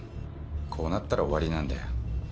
こうなったら終わりなんだよ。